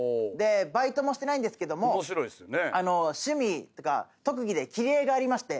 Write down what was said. バイトもしてないんですけども趣味っていうか特技で切り絵がありまして。